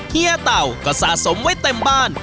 เฮียเต่าก็สะสมไว้เต็มบ้าน